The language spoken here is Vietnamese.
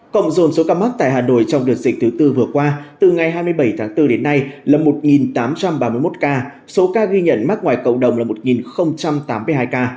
cộng dồn số ca mắc tại hà nội trong đợt dịch thứ tư vừa qua từ ngày hai mươi bảy tháng bốn đến nay là một tám trăm ba mươi một ca số ca ghi nhận mắc ngoài cộng đồng là một tám mươi hai ca